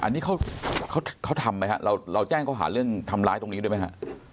อันนี้เขาทำไหมฮะเราแจ้งเขาหาเรื่องทำร้ายตรงนี้ด้วยไหมฮะ